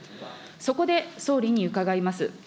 そこで、総理に伺います。